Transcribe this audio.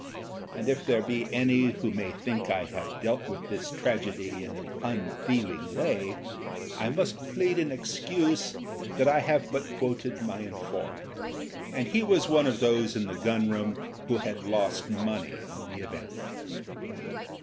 And if there be any who may think I have dealt with this tragedy in an tmfeeling way, I must RETRIBUTION 167 plead in excuse that I have but quoted my infonnant, and he was one of those in the gunroom who had lost money on the event.